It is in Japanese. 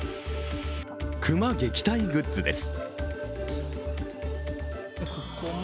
熊撃退グッズです。